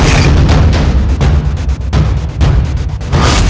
tidak adalah rex